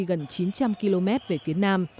gần chín trăm linh km về phía nam